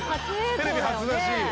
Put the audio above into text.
テレビ初出し。